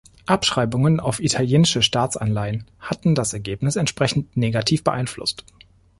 Abschreibungen auf italienische Staatsanleihen hatten das Ergebnis entsprechend negativ beeinflusst.